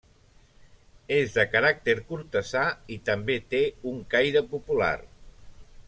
És de caràcter cortesà i també té un caire popular.